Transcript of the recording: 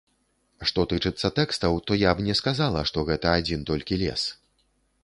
Што тычыцца тэкстаў, то я б не сказала, што гэта адзін толькі лес.